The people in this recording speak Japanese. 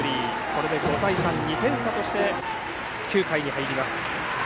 これで５対３、２点差として９回に入ります。